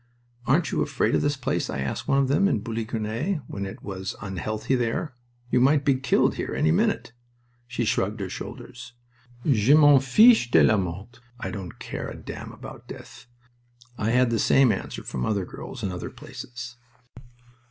"Aren't you afraid of this place?" I asked one of them in Bully Grenay when it was "unhealthy" there. "You might be killed here any minute." She shrugged her shoulders. "Je m'en fiche de la mort!" ("I don't care a damn about death.") I had the same answer from other girls in other places.